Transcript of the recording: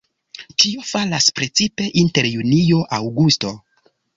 Tio falas precipe inter junio-aŭgusto.